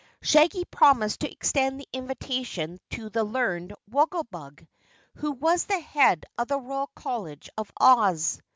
Shaggy promised to extend the invitation to the learned Wogglebug, who was head of the Royal College of Oz.